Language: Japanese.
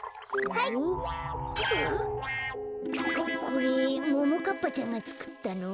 これももかっぱちゃんがつくったの？